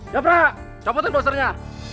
jeprah copotin dosernya